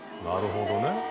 なるほどね。